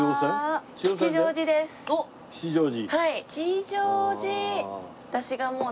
吉祥寺に？